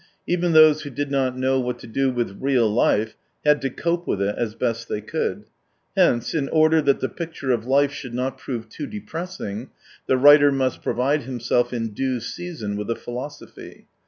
Even those who did not know what to do with " real life " had to cope with it as best they could. Hence, in order that the picture of life should not prove too depressing, the writer must provide himself in due season with a philosophy.